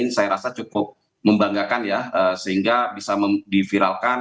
saya rasa cukup membanggakan ya sehingga bisa diviralkan